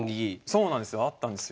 そうなんですよあったんですよ。